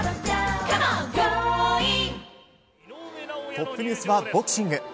トップニュースはボクシング。